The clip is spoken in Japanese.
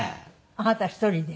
あなた一人で？